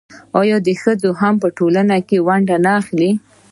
آیا ښځې هم په ټولنه کې ونډه نه اخلي؟